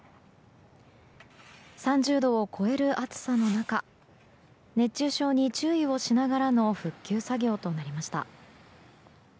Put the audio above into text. ３０度を超える暑さの中熱中症に注意をしながらの復旧作業となりました。